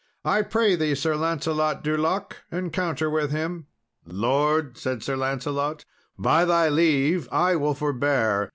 I pray thee, Sir Lancelot du Lake, encounter with him." "Lord," said Sir Lancelot, "by thy leave I will forbear.